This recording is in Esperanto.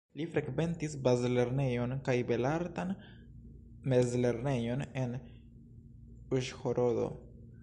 Li frekventis bazlernejon kaj belartan mezlernejon en Uĵhorodo.